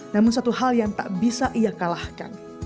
namun satu hal yang tak bisa ia kalahkan